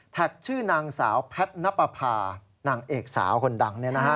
แท็กชื่อนางสาวแพทนัปภานางเอกสาวคนดัง